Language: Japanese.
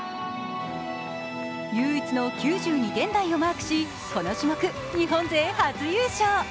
唯一の９２点台をマークし、この種目日本勢初優勝。